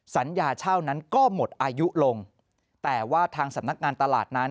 สัญญาเช่านั้นก็หมดอายุลงแต่ว่าทางสำนักงานตลาดนั้น